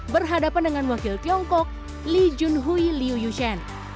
berhadapan dengan wakil tiongkok lee junhui liu yushen